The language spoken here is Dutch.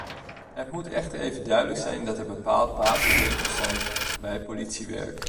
Het moet echter even duidelijk zijn dat er bepaalde basisregels zijn bij politiewerk.